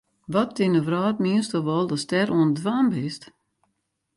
Wat yn de wrâld miensto wol datst dêr oan it dwaan bist?